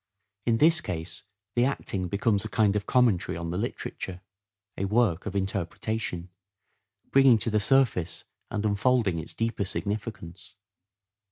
In this case the acting becomes a kind of commentary on the literature ; a work of interpretation, bringing to the surface and unfolding its deeper significance.